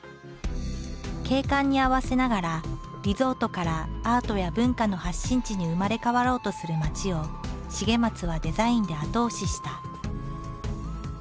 景観に合わせながらリゾートからアートや文化の発信地に生まれ変わろうとする街を重松はデザインで後押しした。